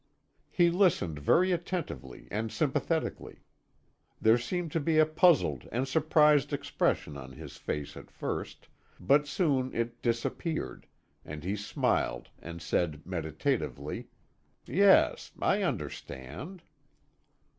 He listened very attentively and sympathetically. There seemed to be a puzzled and surprised expression on his face at first, but soon it disappeared, and he smiled and said meditatively: "Yes, I understand."